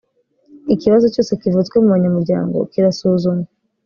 ikibazo cyose kivutse mu banyamuryango kirasuzumwa